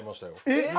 えっ！